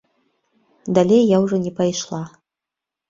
Далей я ўжо не пайшла.